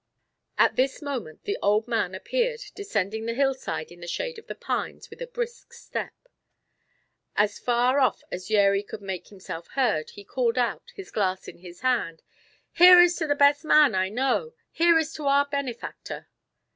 At this moment the old man appeared descending the hillside in the shade of the pines with a brisk step. As far off as Yeri could make himself heard, he called out, his glass in his hand: "Here is to the best man I know! Here is to our benefactor."